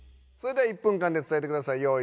それでは１分間で伝えてください。